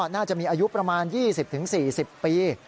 น่าจะมีอายุประมาณ๒๐๔๐ปี